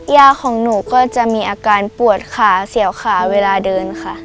ของหนูก็จะมีอาการปวดขาเสี่ยวขาเวลาเดินค่ะ